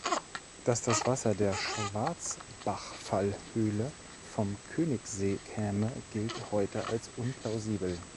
Dass das Wasser der Schwarzbachfall-Höhle vom Königsee käme, gilt heute als unplausibel.